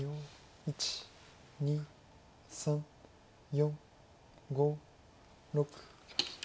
１２３４５６。